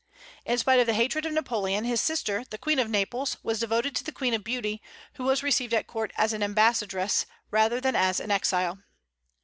In spite of the hatred of Napoleon, his sister the Queen of Naples was devoted to the Queen of Beauty, who was received at court as an ambassadress rather than as an exile.